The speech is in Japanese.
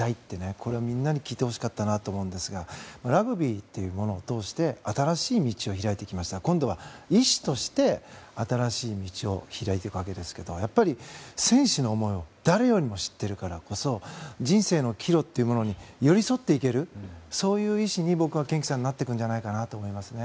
これをみんなに聞いてほしかったなと思うんですがラグビーっていうものを通して新しい道を開いてきましたが今度は医師として新しい道を開いていくわけですがやっぱり、選手の思いを誰よりも知っているからこそ人生の岐路というものに寄り添っていけるそういう医師に僕は堅樹さんはなっていくと思います。